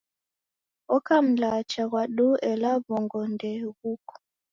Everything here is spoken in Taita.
Oka mlacha ghwa duu ela wongo nde ghuko.